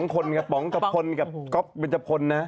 ๒คนไงป๋องกับพลกับก๊อปเป็นจพนธ์นะ